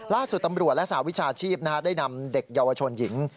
ล่าสุดตำรวจและสหวิชาชีพได้นำเด็กเยาวชนหญิง